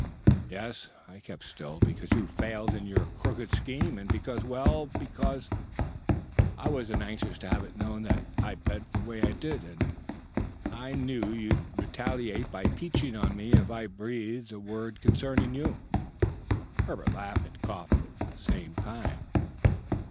"Yes, I've kept still, because you failed in your crooked scheme, and because well, because I wasn't anxious to have it known that I bet the way I did, and I knew you'd retaliate by peaching on me if I breathed a word concerning you." Herbert laughed and coughed at the same time.